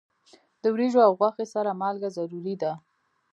د وریجو او غوښې سره مالګه ضروری ده.